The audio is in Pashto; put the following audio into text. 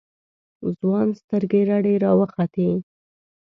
ځوان سترگې رډې راوختې.